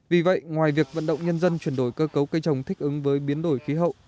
vì vậy ngoài việc vận động nhân dân chuyển đổi cơ cấu cây trồng thích ứng với biến đổi khí hậu